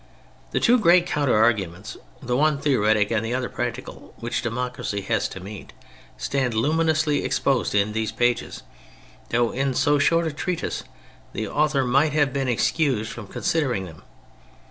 The two great counter arguments, the one theoretic the other practical, which democracy has to meet, stand luminously exposed in these pages, though in so short a treatise the author might have been excused from considering them.